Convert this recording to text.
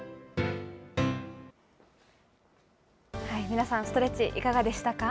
皆さん、ストレッチ、いかがでしたか？